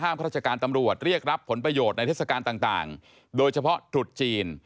ข้าราชการตำรวจเรียกรับผลประโยชน์ในเทศกาลต่างโดยเฉพาะตรุษจีน